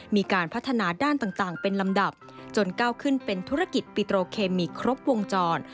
มีการพัฒนาด้านต่างเป็นลำดับจนก้าวขึ้นเป็นธุรกิจปิโตรเคมีครบวงจร